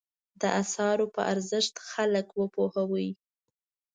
د اثارو په ارزښت خلک وپوهوي.